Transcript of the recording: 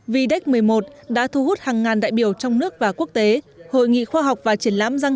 vid một mươi một đã thu hút hàng ngàn đại biểu trong nước và quốc tế hội nghị khoa học và triển lãm răng